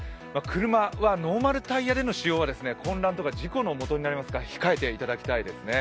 車はノーマルタイヤでの使用は混乱とか事故のもとになりますから控えていただきたいですね。